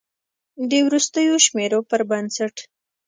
د وروستیو شمیرو پر بنسټ